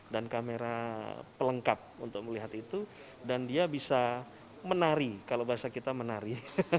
dan kamera pelengkap untuk melihat itu dan dia bisa menari kalau bahasa kita menari